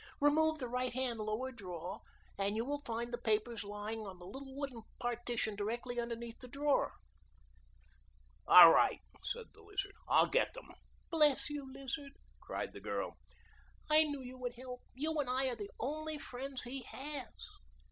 Remove the right hand lower drawer and you will find the papers lying on the little wooden partition directly underneath the drawer." "All right," said the Lizard; "I'll get them." "Bless you, Lizard," cried the girl. "I knew you would help. You and I are the only friends he has.